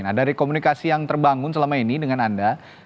nah dari komunikasi yang terbangun selama ini dengan anda